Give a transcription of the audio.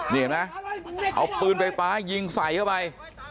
นี่เห็นไหมเอาปืนไฟฟ้ายิงใส่เข้าไป